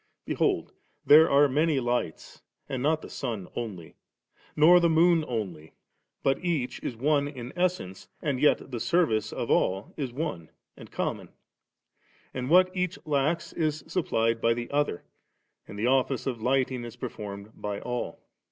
Behold diere are many lights, and not the sun only, nor the moon only, but each is one in essence^ and yet the service of ail is one and common ; and what each lacks, is supplied by the other, and the office of lighting is performed by all'.